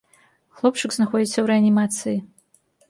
Хлопчык знаходзіцца ў рэанімацыі.